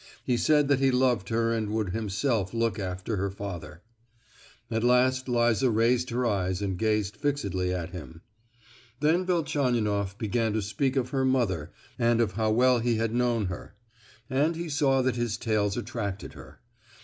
He said that he loved her and would himself look after her father. At last Liza raised her eyes and gazed fixedly at him. Then Velchaninoff began to speak of her mother and of how well he had known her; and he saw that his tales attracted her.